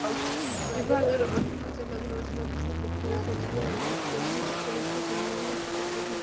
বিভাগের অন্য জেলাগুলোর মধ্যে কোথাও কোথাও ককটেল বিস্ফোরিত হলেও নাশকতার ঘটনা ঘটেনি।